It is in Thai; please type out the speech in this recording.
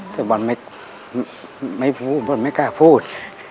แต่บอลไม่พูดบอลไม่กล้าพูด